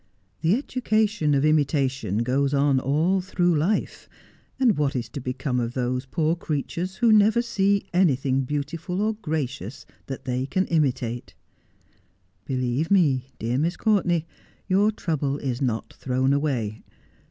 The education of imitation goes on all through life ; and what is to become of those poor creatures who never see anything beautiful or gracious that they can imitate 1 Believe me, dear Miss Courtenay, your trouble is not thrown away.